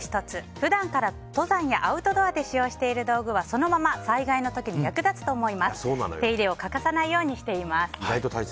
普段から登山やアウトドアで使用している道具はそのまま災害の時に洗っても落ちない